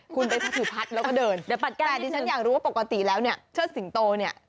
คุณไปถือพัดแล้วก็เดินปัดแก้แต่ดิฉันอยากรู้ว่าปกติแล้วเนี่ยเชิดสิงโตเนี่ย